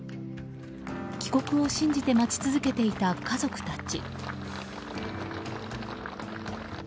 帰国を信じて待ち続けていた家族たち。